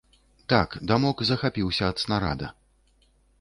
Так, дамок захапіўся ад снарада.